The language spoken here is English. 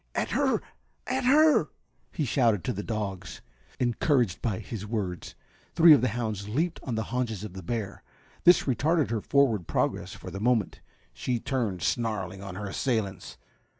"At her! At her!" he shouted to the dogs. Encouraged by his words three of the hounds leaped on the haunches of the bear. This retarded her forward progress for the moment. She turned, snarling, on her assailants.